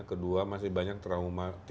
kedua masih banyak traumatik